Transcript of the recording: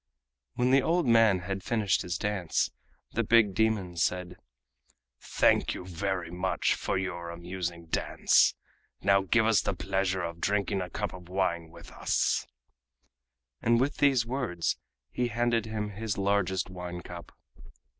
When the old man had finished his dance, the big demon said: "Thank you very much for your amusing dance. Now give us the pleasure of drinking a cup of wine with us," and with these words he handed him his largest wine cup.